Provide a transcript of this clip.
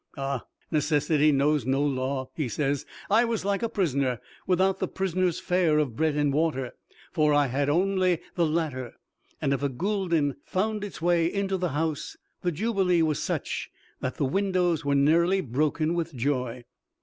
Ah! necessity knows no law. He says, "I was like a prisoner, without the prisoner's fare of bread and water, for I had only the latter; and if a gulden found its way into the house, the jubilee was such that the windows were nearly broken with joy."